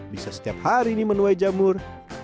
bisa setiap hari ini menuai jamur